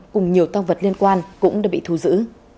cùng nhiều tăng vật liên quan cũng đã bị thu giữ